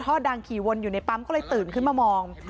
กับขังดังขี่วนอยู่ในปั๊มตื่นขึ้นมามอง